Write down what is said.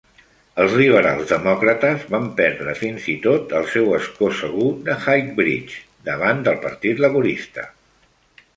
Els Liberals Demòcrates van perdre, fins i tot, el seu ascó segur de Highbridge davant del Partit Laborista.